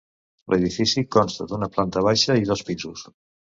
L'edifici consta d'una planta baixa i dos pisos.